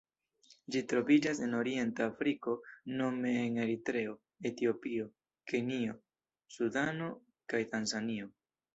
Ĝi troviĝas en Orienta Afriko nome en Eritreo, Etiopio, Kenjo, Sudano kaj Tanzanio.